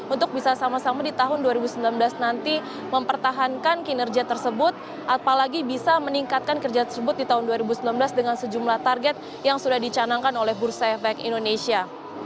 untuk bisa sama sama di tahun dua ribu sembilan belas nanti mempertahankan kinerja tersebut apalagi bisa meningkatkan kerja tersebut di tahun dua ribu sembilan belas dengan sejumlah target yang sudah dicanangkan oleh bursa efek indonesia